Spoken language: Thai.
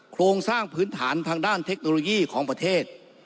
โครงสร้างพื้นฐานทางด้านเทคโนโลยีของประเทศ